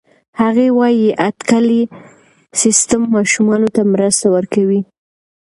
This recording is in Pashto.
هغې وايي اټکلي سیستم ماشومانو ته مرسته ورکوي.